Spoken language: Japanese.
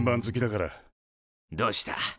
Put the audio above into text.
どうした？